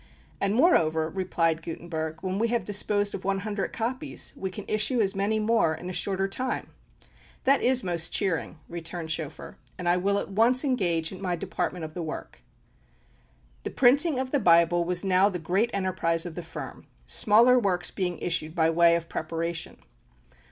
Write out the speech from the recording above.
"And moreover," replied Gutenberg, "when we have disposed of one hundred copies, we can issue as many more in a shorter time." "That is most cheering," returned Schoeffer, "and I will at once engage in my department of the work." The printing of the Bible was now the great enterprise of the firm, smaller works being issued by way of preparation.